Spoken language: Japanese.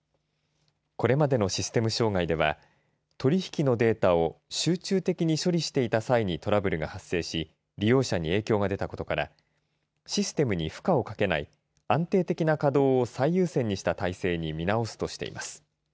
これまでのシステム障害では取り引きのデータを集中的に処理していた際にトラブルが発生し利用者に影響が出たことからシステムに負荷をかけない安定的な稼働を最優先にした体制に見直すとしています。